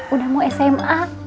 udah mau sma